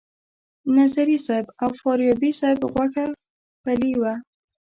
نظري صیب او فاریابي صیب غوښه پیلې وه.